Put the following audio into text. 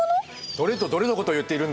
どれとどれのことを言っているんだ？